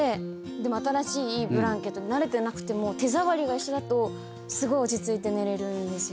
でも新しいブランケット慣れてなくても手触りが一緒だとすごい落ち着いて寝れるんですよね。